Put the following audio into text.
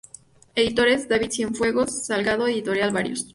Editores: David Cienfuegos Salgado, Editorial: Varios.